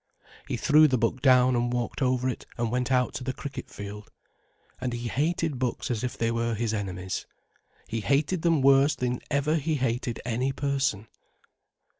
He threw the book down and walked over it and went out to the cricket field. And he hated books as if they were his enemies. He hated them worse than ever he hated any person.